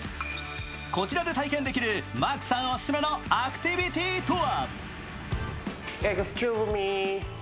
こちらで体験できるマークさんオススメのアクティビティーとは。